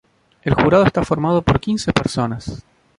El jurado está formado por quince personas.